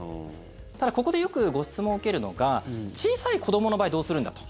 ただ、ここでよくご質問を受けるのが小さい子どもの場合はどうするんだと。